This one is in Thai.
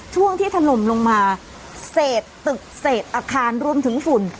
ช่วงที่ถล่มลงมาเศษตึกเศษอาคารรวมถึงฝุ่น